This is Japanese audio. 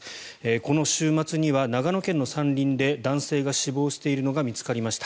この週末には長野県の山林で男性が死亡しているのが見つかりました。